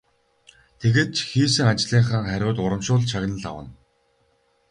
Тэгээд ч хийсэн ажлынхаа хариуд урамшуулал шагнал авна.